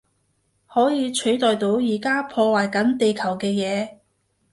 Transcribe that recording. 可以取代到而家破壞緊地球嘅嘢